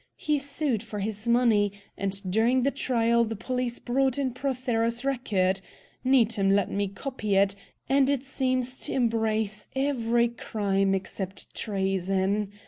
He sued for his money, and during the trial the police brought in Prothero's record. Needham let me copy it, and it seems to embrace every crime except treason.